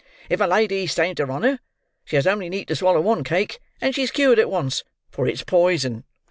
If a lady stains her honour, she has only need to swallow one cake and she's cured at once—for it's poison.